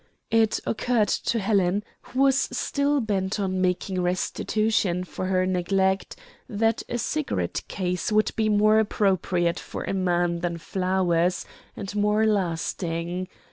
It occurred to Helen, who was still bent on making restitution for her neglect, that a cigarette case would be more appropriate for a man than flowers, and more lasting.